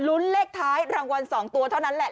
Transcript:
เลขท้ายรางวัล๒ตัวเท่านั้นแหละ